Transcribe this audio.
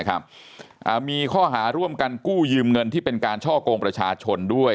มีข้อหาร่วมกันกู้ยืมเงินที่เป็นการช่อกงประชาชนด้วย